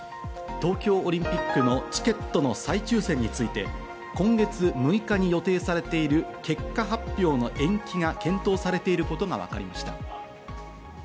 東京オリンピックのチケットの再抽選について今月６日に予定されている結果発表の延期が検討されていることがわかりました。